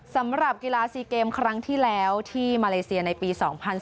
สำหรับกีฬา๔เกมครั้งที่แล้วที่มาเลเซียในปี๒๐๑๙